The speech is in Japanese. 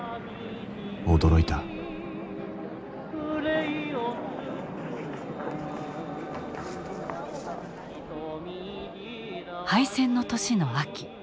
驚いた敗戦の年の秋